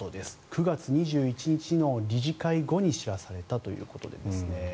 ９月２１日の理事会後に知らされたということです。